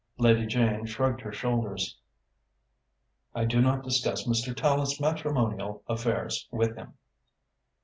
Lady Jane shrugged her shoulders. "I do not discuss Mr. Tallente's matrimonial affairs with him."